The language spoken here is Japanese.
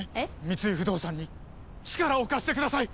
三井不動産に力を貸してください！